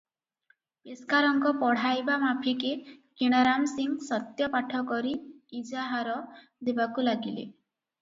ପେସ୍କାରଙ୍କ ପଢ଼ାଇବା ମାଫିକେ କିଣାରାମ ସିଂ ସତ୍ୟପାଠ କରି ଇଜାହାର ଦେବାକୁ ଲାଗିଲେ ।